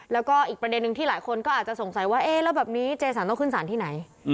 แล้วก็อีกประเด็นหนึ่งที่หลายคนก็อาจจะสงสัยว่าเอ๊ะแล้วแบบนี้เจสันต้องขึ้นสารที่ไหน